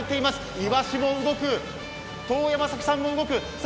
イワシも動く、東山崎さんも動く。